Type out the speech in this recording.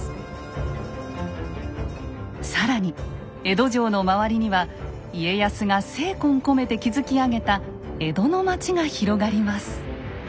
更に江戸城の周りには家康が精魂込めて築き上げた江戸の町が広がります。